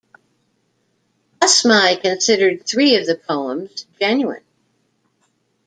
Asma'i considered three of the poems genuine.